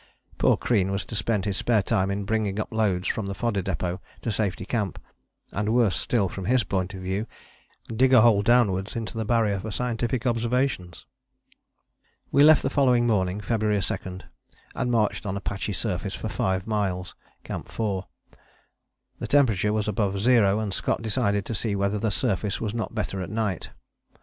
Poor Crean was to spend his spare time in bringing up loads from the Fodder Depôt to Safety Camp and, worse still from his point of view, dig a hole downwards into the Barrier for scientific observations! We left the following morning, February 2, and marched on a patchy surface for five miles (Camp 4). The temperature was above zero and Scott decided to see whether the surface was not better at night.